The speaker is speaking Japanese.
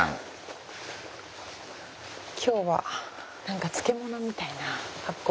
今日は何か漬物みたいな発酵食品。